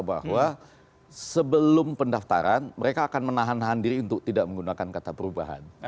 bahwa sebelum pendaftaran mereka akan menahan diri untuk tidak menggunakan kata perubahan